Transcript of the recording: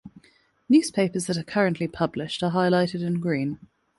Newspapers that are currently published are highlighted in green.